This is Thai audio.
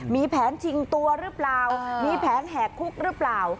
มีแผนชิงตัวหรือเปล่ามีแผนแหกคุกหรือเปล่า